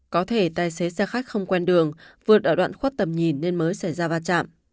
có thể tài xế xe khách không quen đường vượt ở đoạn khuất tầm nhìn nên mới xảy ra va chạm